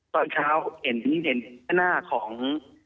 ตอนเช้าเห็นหน้าของ